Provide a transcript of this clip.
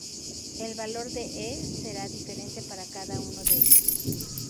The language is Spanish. El valor de E será diferente para cada uno de ellos.